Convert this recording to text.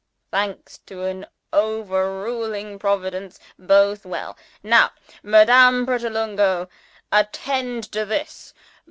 Thanks to an overruling Providence, both well.) Now, Madame Pratolungo, attend to this.